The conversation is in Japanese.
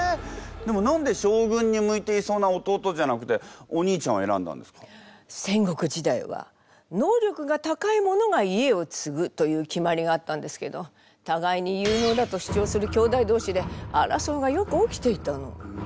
でも何で将軍に向いていそうな弟じゃなくてお兄ちゃんを選んだんですか？という決まりがあったんですけど互いに有能だと主張する兄弟同士で争いがよく起きていたの。